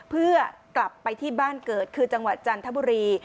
เพื่อกลับไปที่บ้านเกิดคือจังหวัดจันทบุรี